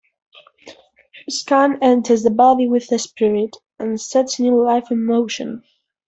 Skan enters the body with the spirit and sets new life in motion.